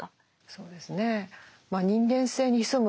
そうですね。